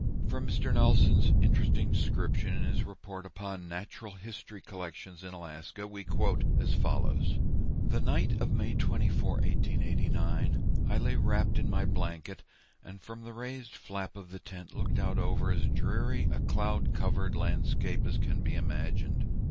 From Mr. Nelson's interesting description, in his report upon "Natural History Collections in Alaska," we quote as follows: "The night of May 24, 1889, I lay wrapped in my blanket, and from the raised flap of the tent looked out over as dreary a cloud covered landscape as can be imagined.